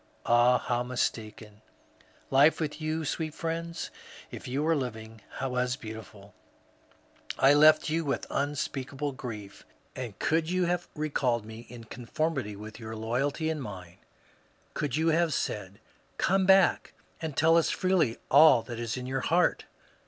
Ah, how mistaken I Life with you, sweet friends, — if you are living — was beautiful I I left you with unspeak able grief ; and could you have recalled me in conformity with your loyalty and mine, could you have said, ^^ Come back and tell us freely all that is in your heart